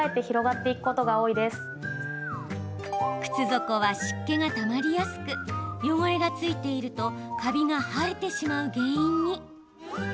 靴底は湿気がたまりやすく汚れが付いているとカビが生えてしまう原因に。